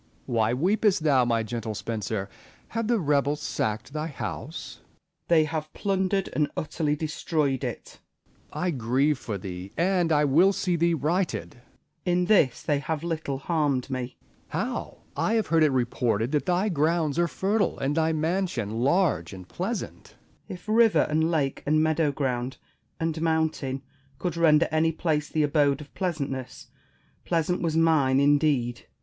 Why weepest thou, my gentle Spenser 1 Have the rebels sacked thy house 1 Spenser. They have plundered and utterly destroyed it. Essex. I grieve for thee, and will see thee righted. I02 IMAGINARY CONVERSATIONS. Spenser. In this they have little harmed me. Essex. How ! I have heard it reported that thy grounds are fertile, and thy mansion large and pleasant. Spenser. If river and lake and meadow ground and mountain could render any place the abode of pleasantness, pleasant was mine, indeed